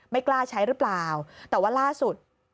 ไม่กล้าใช้หรือเปล่าแต่ว่าล่าสุด